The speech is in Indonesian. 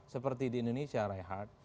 seperti di indonesia rai hart